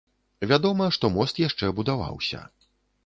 Вядома, што мост яшчэ будаваўся.